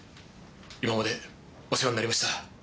今までお世話になりました。